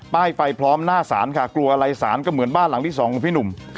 ไฟพร้อมหน้าศาลค่ะกลัวอะไรสารก็เหมือนบ้านหลังที่สองของพี่หนุ่ม